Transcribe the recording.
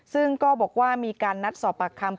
ซึ่งก็บอกว่ามีการนัดสอบปากคำ